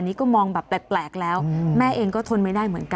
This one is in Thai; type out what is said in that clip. นี่ก็มองแบบแปลกแล้วแม่เองก็ทนไม่ได้เหมือนกัน